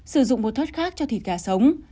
sử dụng một thớt khác cho thịt gà sống